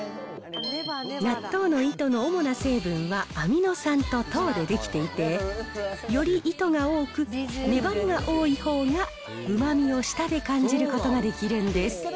納豆の糸の主な成分はアミノ酸と糖で出来ていて、より糸が多く粘りが多いほうがうまみを舌で感じることができるんです。